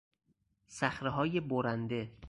صخرههای برنده